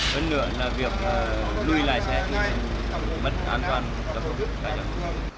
vẫn nữa là việc nuôi lại xe thì mất an toàn cho khách hàng